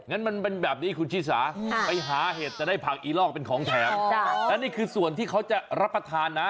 งั้นมันเป็นแบบนี้คุณชิสาไปหาเห็ดจะได้ผักอีลอกเป็นของแถมและนี่คือส่วนที่เขาจะรับประทานนะ